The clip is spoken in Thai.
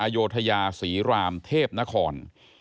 โยธยาศรีรามเทพนคร